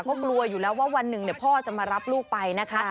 เพราะกลัวอยู่แล้วว่าวันหนึ่งพ่อจะมารับลูกไปนะคะ